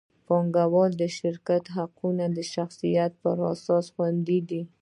پانګهوال د شرکت د حقوقي شخصیت پر اساس خوندي دي.